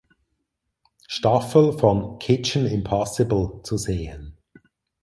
Staffel von "Kitchen Impossible" zu sehen.